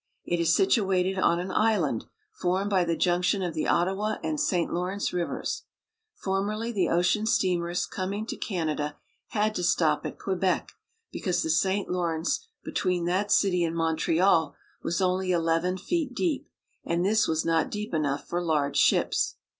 It is situated on an island formed by the junction of the Ottawa and St. Lawrence rivers. Formerly the ocean steamers com ing to Canada had to stop at Quebec, because the St. Lawrence between that city and Montreal was only eleven feet deep, and this was not deep enough for large ships.